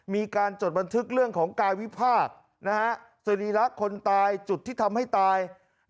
มีการจดบันทึกเรื่องของกายวิพากษ์สรีระคนตายจุดที่ทำให้ตาย